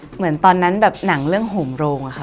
เหมือนตอนนั้นหนังเรื่องห่มโรงค่ะ